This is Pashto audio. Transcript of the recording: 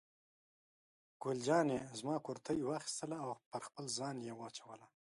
ګل جانې زما کورتۍ واخیستله او پر خپل ځان یې واچوله.